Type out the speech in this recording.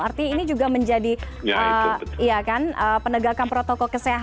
artinya ini juga menjadi ya kan penegakan protokol kesehatan